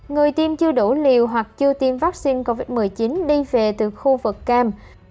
người tiêm chưa đủ liều hoặc chưa tiêm vaccine covid một mươi chín đi về từ khu vực cam